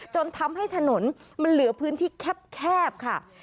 จนทำให้ถนนมันเหลือพื้นที่แคบค่ะ